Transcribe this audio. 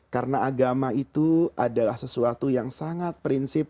karena agama itu adalah sesuatu yang sangat prinsip